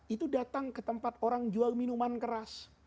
itu datang ke tempat orang jual minuman keras